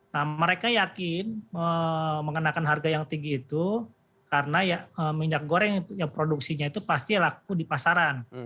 nah mereka yakin mengenakan harga yang tinggi itu karena minyak goreng produksinya itu pasti laku di pasaran